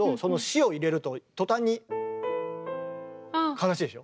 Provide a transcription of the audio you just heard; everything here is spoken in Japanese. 悲しいでしょ。